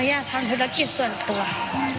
การสำรวจยังพบว่าพ่อแม่ผู้ปกครองบาง